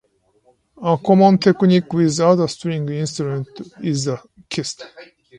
A common technique with other string instruments is the "Kist".